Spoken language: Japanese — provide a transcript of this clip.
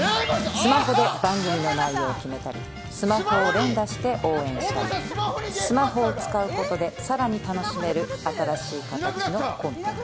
スマホで番組の内容を決めたりスマホを連打して応援したりスマホを使うことでさらに楽しめる新しい形のコンテンツ。